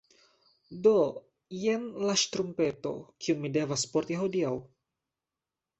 Do jen la ŝtrumpeto, kiun mi devas porti hodiaŭ.